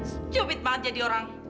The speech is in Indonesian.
stupid banget jadi orang